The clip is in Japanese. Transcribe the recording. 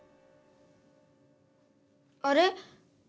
あれ？